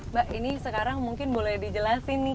mbak ini sekarang mungkin boleh dijelasin nih kita nih ya